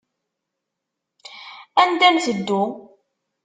Anda nteddu?